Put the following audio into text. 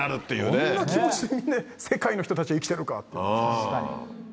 どんな気持ちで世界の人たちは生きてるかって。